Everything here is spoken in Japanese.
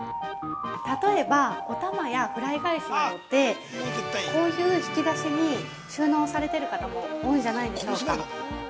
◆例えば、お玉やフライ返しってこういう引き出しに収納されてる方も多いんじゃないでしょうか。